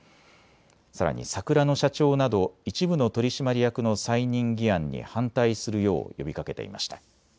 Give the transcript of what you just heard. さらに櫻野社長など一部の取締役の再任議案に反対するよう呼びかけていました。